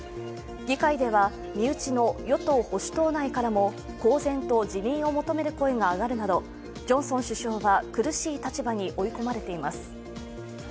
議会では、身内の与党・保守党内からも公然と辞任を求める声が上がるなど、ジョンソン首相は、苦しい立場に追い込まれています。